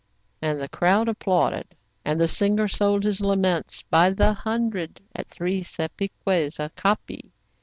And the crowd applauded, and the singer sold his laments by the hundred, at three sapeques a copy.